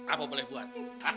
apa boleh buat